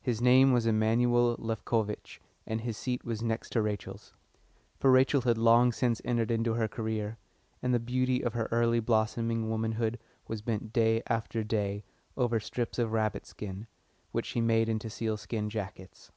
His name was Emanuel Lefkovitch, and his seat was next to Rachel's. For Rachel had long since entered into her career, and the beauty of her early blossoming womanhood was bent day after day over strips of rabbit skin, which she made into sealskin jackets.